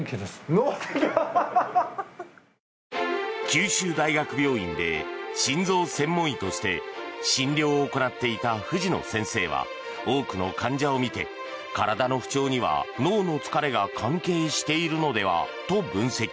九州大学病院で心臓専門医として診療を行っていた藤野先生は多くの患者を診て体の不調には、脳の疲れが関係しているのではと分析。